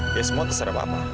ya semua terserah papa